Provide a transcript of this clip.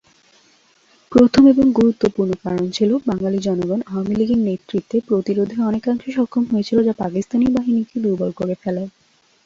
প্রথম এবং গুরুত্বপূর্ণ কারণ ছিল বাঙালি জনগণ আওয়ামী লীগের নেতৃত্বে প্রতিরোধে অনেকাংশে সক্ষম হয়েছিল যা পাকিস্তানি বাহিনীকে দুর্বল করে ফেলে।